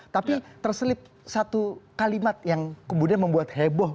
tapi terselip satu kalimat yang kemudian membuat heboh